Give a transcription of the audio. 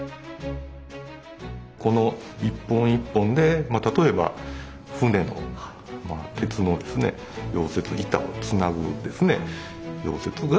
この一本一本で例えば船の鉄の溶接板をつなぐ溶接ができるという。